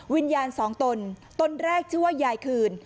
วิญญาณสองตนตนแรกชื่อว่ายายคืน